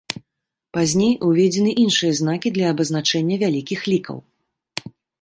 Пазней уведзены іншыя знакі для абазначэння вялікіх лікаў.